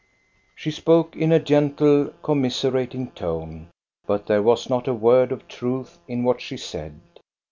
She spoke in a gentle, commiserating tone, but there was not a word of truth in what she said.